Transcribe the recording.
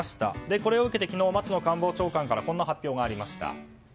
これを受けて昨日松野官房長官からこんな発表がありました。